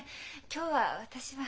今日は私は。